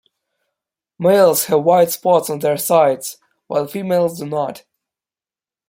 Males have white spots on their sides, while females do not.